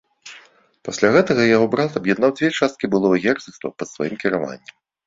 Пасля гэтага яго брат аб'яднаў дзве часткі былога герцагства пад сваім кіраваннем.